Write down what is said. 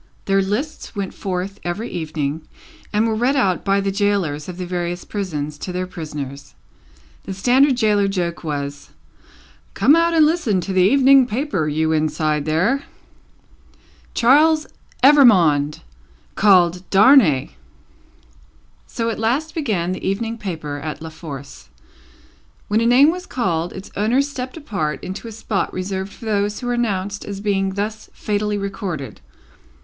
Their lists went forth every evening, and were read out by the gaolers of the various prisons to their prisoners. The standard gaoler joke was, "Come out and listen to the Evening Paper, you inside there!" "Charles Evrémonde, called Darnay!" So at last began the Evening Paper at La Force. When a name was called, its owner stepped apart into a spot reserved for those who were announced as being thus fatally recorded.